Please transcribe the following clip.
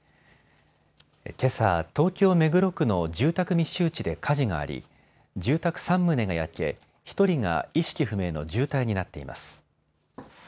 けさ、東京目黒区の住宅密集地で火事があり住宅３棟が焼け、１人が意識不明の重体になっています。